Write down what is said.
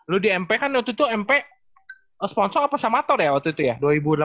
lu di mp kan waktu itu mp sponsor apa samator ya waktu itu ya dua ribu delapan belas ya